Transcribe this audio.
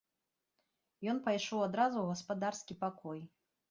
Ён пайшоў адразу ў гаспадарскі пакой.